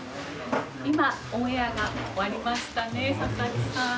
今オンエアが終わりましたね佐々木さん。